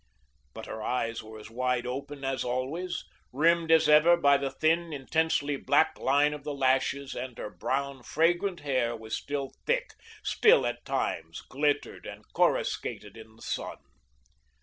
But her eyes were as wide open as always, rimmed as ever by the thin, intensely black line of the lashes and her brown, fragrant hair was still thick, still, at times, glittered and coruscated in the sun.